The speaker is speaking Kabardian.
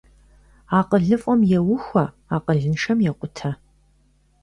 АкъылыфӀэм еухуэ, акъылыншэм екъутэ.